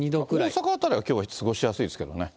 大阪辺りはきょうは過ごしやすいですけどね。